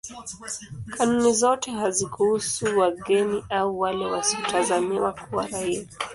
Kanuni zote hazikuhusu wageni au wale wasiotazamiwa kuwa raia.